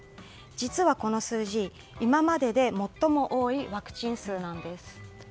実はこの数字、今までで最も多いワクチン数なんです。